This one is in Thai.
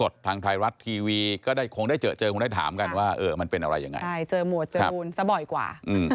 ใช่เจอหมวดจรูนซะบ่อยกว่า